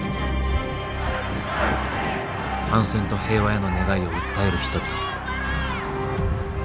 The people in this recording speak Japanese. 反戦と平和への願いを訴える人々。